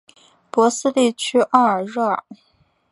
博斯地区奥尔热尔。